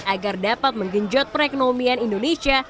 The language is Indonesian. agar dapat menggenjot perekonomian indonesia